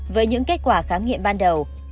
với những kết quả khám nghiệm ban đầu